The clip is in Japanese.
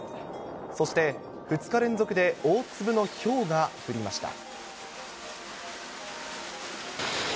そして２日連続で大粒のひょうが降りました。